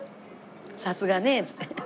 さすがねっつって。